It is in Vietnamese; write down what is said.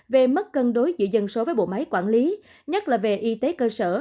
về mức cân đối giữa dân số với bộ máy quản lý nhất là về y tế cơ sở